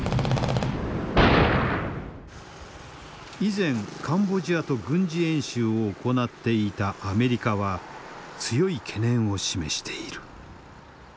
以前カンボジアと軍事演習を行っていたアメリカは強い懸念を示している。